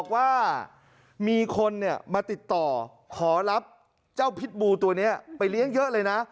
มาติดต่อขอรับเจ้าพิษบูลไปเลี้ยงเยอะเลยนะ